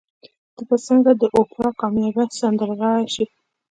ته به څنګه د اوپرا کاميابه سندرغاړې شې؟